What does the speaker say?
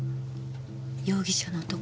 容疑者の男